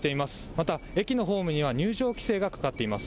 また、駅のホームには入場規制がかかっています。